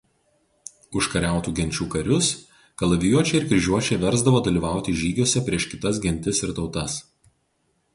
Užkariautų genčių karius kalavijuočiai ir kryžiuočiai versdavo dalyvauti žygiuose prieš kitas gentis ir tautas.